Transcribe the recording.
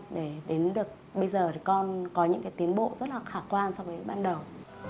để đến được bây giờ thì con có những cái tiến bộ rất là khả quan so với ban đầu